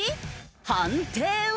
判定は？